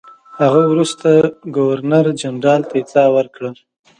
هغه وروسته ګورنرجنرال ته اطلاع ورکړه.